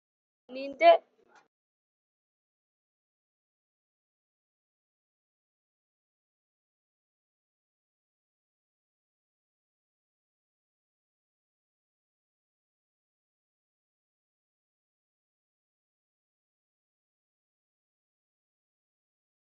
Ni umusirikare wintwari wabayeho